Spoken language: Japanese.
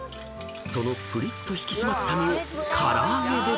［そのぷりっと引き締まった身を唐揚げで］